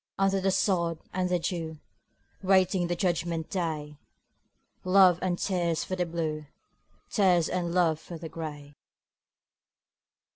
Under the sod and the dew, Waiting the judgment day; Love and tears for the Blue, Tears and love for the Gray.